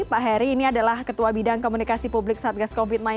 pak heri ini adalah ketua bidang komunikasi publik satgas covid sembilan belas